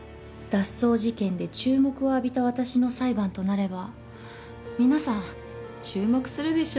脱走事件で注目を浴びた私の裁判となれば皆さん注目するでしょうね。